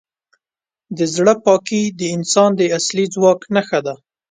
د زړه پاکي د انسان د اصلي ځواک نښه ده.